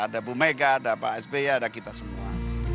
ada bu mega ada pak sby ada kita semua